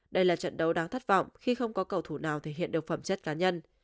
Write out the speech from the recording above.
đây là trận đấu đáng thất vọng khi không có cầu thủ nào thể hiện được phẩm chất cá nhân